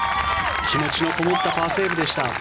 気持ちのこもったパーセーブでした。